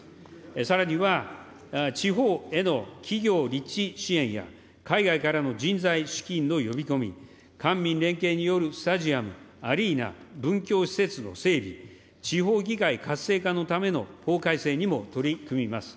さらには、地方への企業立地支援や、海外からの人材・資金の呼び込み、官民連携によるスタジアム、アリーナ、文教施設の整備、地方議会活性化のための法改正にも取り組みます。